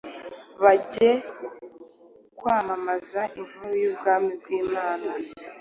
bajye kwamamaza inkuru y’Ubwami bw’Imana,